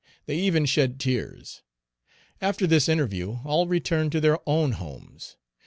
They even shed tears. After this interview, all returned to their own homes.